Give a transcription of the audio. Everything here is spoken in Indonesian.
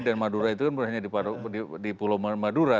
dan madura itu kan berada di pulau madura